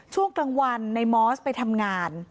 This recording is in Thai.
ช่วงกลางวันในมอสไปทำงาน